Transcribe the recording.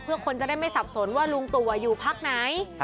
เพื่อคนจะได้ไม่สับสนว่าลุงตู่อยู่พักไหน